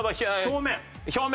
表面？